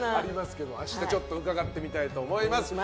明日ちょっと伺ってみたいと思います。